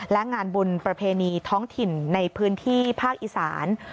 และงานบุญประเพณีท้องถิ่นในพื้นที่ภาคอีสาน